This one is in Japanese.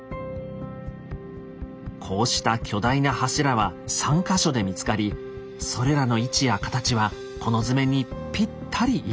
こうした巨大な柱は３か所で見つかりそれらの位置や形はこの図面にぴったり一致。